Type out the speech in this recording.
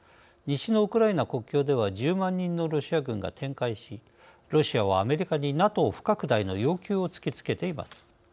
西のウクライナ国境では１０万人のロシア軍が展開しロシアはアメリカにＮＡＴＯ不拡大の要求を突き付けています。